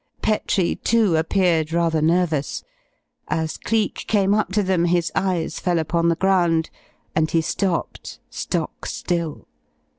Petrie, too, appeared rather nervous. As Cleek came up to them, his eyes fell upon the ground, and he stopped stock still.